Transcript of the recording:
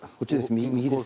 右です。